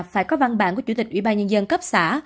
phải có văn bản của chủ tịch ủy ban nhân dân cấp xã